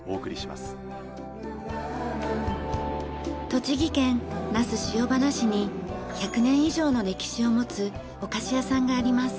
栃木県那須塩原市に１００年以上の歴史を持つお菓子屋さんがあります。